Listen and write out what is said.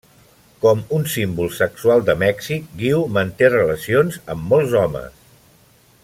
Com un símbol sexual de Mèxic, Guiu manté relacions amb molts homes.